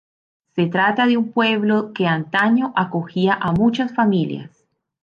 Se trata de un pueblo que antaño acogía a muchas familias.